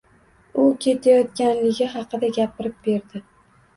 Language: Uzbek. U ketayotganligi haqida gapirib berdi.